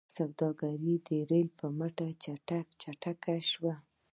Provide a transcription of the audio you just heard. سوداګري د ریل په مټ چټکه شوه.